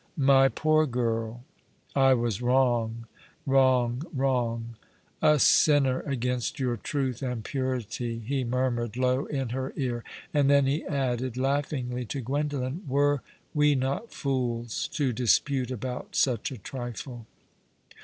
''My poor girl, I was wrong —wrong — wrong — a sinner against your truth and purity," he murmured low in her ear ; and then he added laughingly, to Gwendolen, *' Wero we not fools to dispute about such a trifle